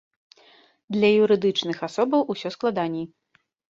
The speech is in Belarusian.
Для юрыдычных асобаў усё складаней.